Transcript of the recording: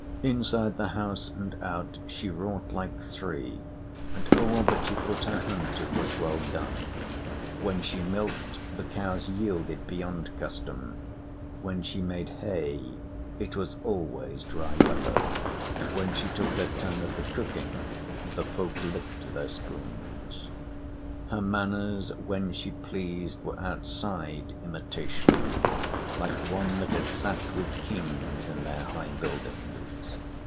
Inside the house and out she wrought like three, and all that she put her hand to was well done. When she milked, the cows yielded beyond custom; when she made hay, it was always dry weather; when she took her turn at the cooking, the folk licked their spoons. Her manners when she pleased were outside imitation, like one that had sat with kings in their high buildings.